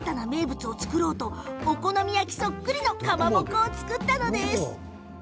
こちらのお店では新たな名物を作ろうとお好み焼きそっくりのかまぼこを作ったんです。